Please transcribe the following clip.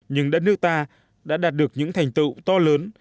nhưng đất nước ta đã đạt được những thành tựu to lớn